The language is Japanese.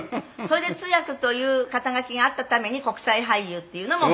「それで通訳という肩書があったために国際俳優っていうのも」